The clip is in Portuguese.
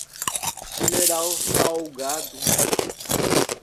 General Salgado